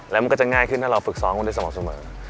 แล้วมันก็จะง่ายขึ้นถ้าเราฝึกซ้อมกันได้สม่ำเสมอ